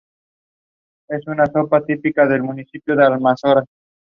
Se destacan entre los principales cultivos la soja, el maní y el trigo.